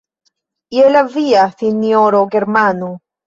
Je la via, sinjoro Germano!